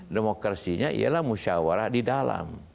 demokrasinya ialah musyawarah di dalam